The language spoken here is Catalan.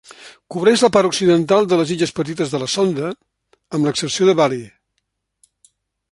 Cobreix la part occidental de les illes Petites de la Sonda, amb l'excepció de Bali.